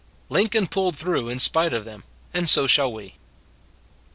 Lincoln pulled through in spite of them; and so shall we.